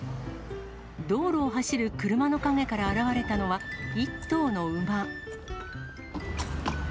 道路を走る車の陰から現れたのは、１頭の馬。